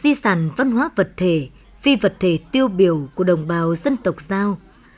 di sản văn hóa vật thể phi vật thể tiêu biểu của đồng bào dân tộc giao